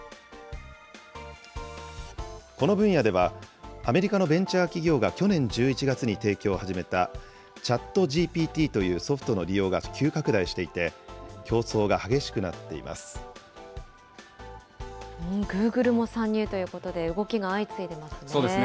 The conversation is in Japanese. この分野では、アメリカのベンチャー企業が去年１１月に提供を始めた、チャットＧＰＴというソフトの利用が急拡大していて、競争グーグルも参入ということで、そうですね。